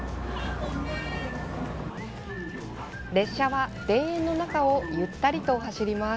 列車は田園の中をゆったりと走ります。